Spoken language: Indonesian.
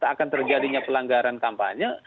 akan terjadinya pelanggaran kampanye